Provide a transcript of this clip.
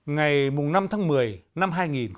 ngày năm tháng một mươi năm hai nghìn một mươi tám